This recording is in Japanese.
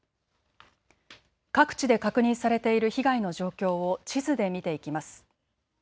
各地で確認されている被害の状況を地図で見ていきます。